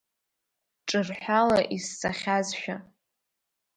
Ҿырҳәала исҵахьазшәа…